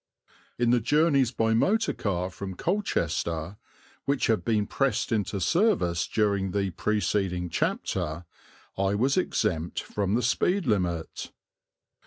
In the journeys by motor car from Colchester, which have been pressed into service during the preceding chapter, I was exempt from the speed limit.